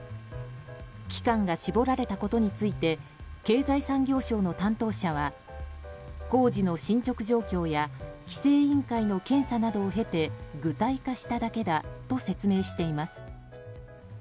期間が絞られたことについて経済産業省の担当者は工事の進捗状況や規制委員会の検査などを経て具体化しただけだと説明しています。